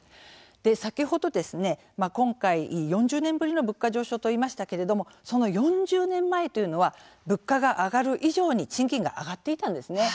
先ほどですね、今回４０年ぶりの物価上昇と言いましたけれどもその４０年前というのは物価が上がる以上に賃金が上がっていったんですね。